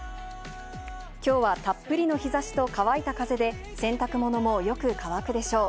今日はたっぷりの日差しと乾いた風で洗濯物もよく乾くでしょう。